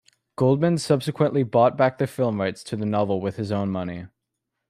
Goldman subsequently bought back the film rights to the novel with his own money.